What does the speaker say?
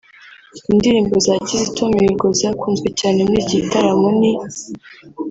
Indirimbo za Kizito Mihigo zakunzwe cyane muri iki gitaramo ni